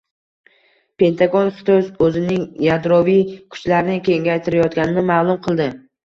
Pentagon Xitoy o‘zining yadroviy kuchlarini kengaytirayotganini ma’lum qildi